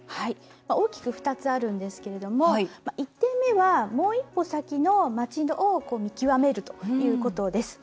大きく２つあるんですが１点目は、もう一歩先の街を見極めるということです。